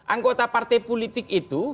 anggota partai politik itu